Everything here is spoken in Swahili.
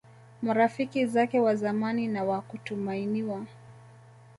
marafiki zake wa zamani na wa kutumainiwa